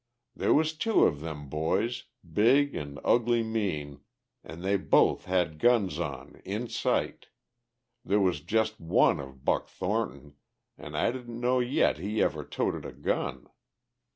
There was two of them boys, big an' ugly mean, an' they both had guns on, in sight. There was jus' one of Buck Thornton, an' I didn't know yet he ever toted a gun.